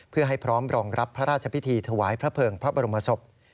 เพื่อให้พร้อมรองรับพระราชพิธีถวายพระเภิงพระบรมศพ